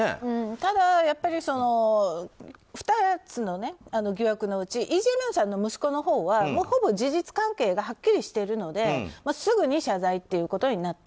ただ、２つの疑惑のうちイ・ジェミョンさんの息子のほうはほぼ事実関係がはっきりしているのですぐに謝罪ということになった。